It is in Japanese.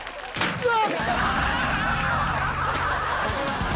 うわ！